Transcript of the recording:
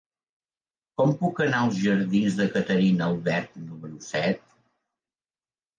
Com puc anar als jardins de Caterina Albert número set?